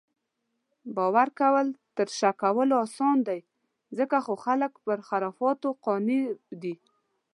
باؤر کؤل تر شک کؤلو اسانه دي، ځکه خو خلک پۀ خُرفاتو قانع دي